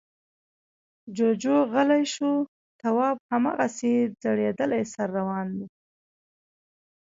جُوجُو غلی شو. تواب هماغسې ځړېدلی سر روان و.